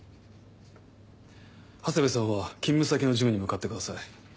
長谷部さんは勤務先のジムに向かってください。